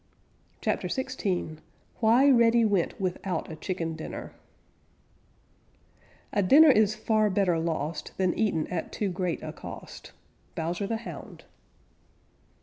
CHAPTER XVI WHY REDDY WENT WITHOUT A CHICKEN DINNER A dinner is far better lost Than eaten at too great a cost. _Bowser the Hound.